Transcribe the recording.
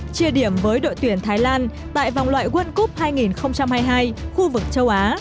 chia điểm với đội tuyển thái lan tại vòng loại world cup hai nghìn hai mươi hai khu vực châu á